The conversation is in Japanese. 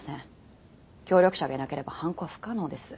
協力者がいなければ犯行は不可能です。